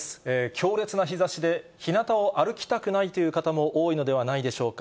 強烈な日ざしで、ひなたを歩きたくないという方も多いのではないでしょうか。